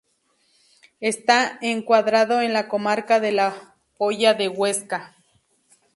Está encuadrado en la comarca de la Hoya de Huesca.